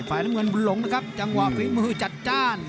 น้ำเงินบุญหลงนะครับจังหวะฝีมือจัดจ้าน